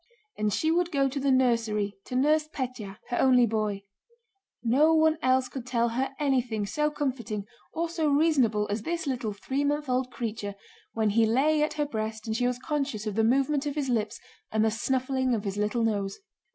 And she would go to the nursery to nurse Pétya, her only boy. No one else could tell her anything so comforting or so reasonable as this little three month old creature when he lay at her breast and she was conscious of the movement of his lips and the snuffling of his little nose.